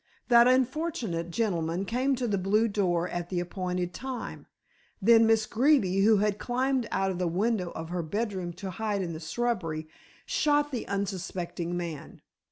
That unfortunate gentleman came to the blue door at the appointed time, then Miss Greeby, who had climbed out of the window of her bedroom to hide in the shrubbery, shot the unsuspecting man.